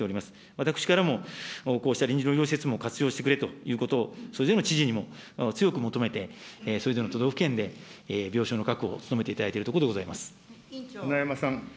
私からもこうした臨時の医療施設も活用してくれということをそれぞれの知事にも強く求めて、それぞれの都道府県で病床の確保、努めていただいているところでござ舟山さん。